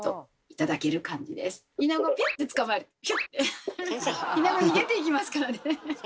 いなご逃げていきますからね。